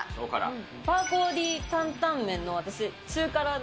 パーコーディー担々麺の、私、中辛。